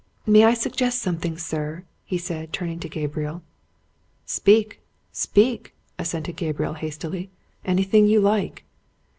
"May I suggest something, sir?" he said, turning to Gabriel. "Speak speak!" assented Gabriel hastily. "Anything you like!"